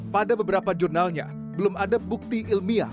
pada beberapa jurnalnya belum ada bukti ilmiah